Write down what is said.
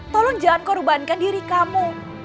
tolong jangan korbankan diri kamu